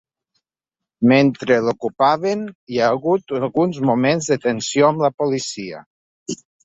Mentre l’ocupaven, hi ha hagut alguns moments de tensió amb la policia.